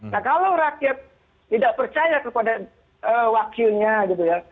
nah kalau rakyat tidak percaya kepada wakilnya gitu ya